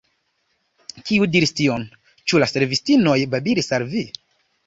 Kiu diris tion? Ĉu la servistinoj babilis al vi?